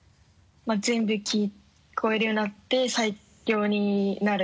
全部聞こえるようになって最強になる。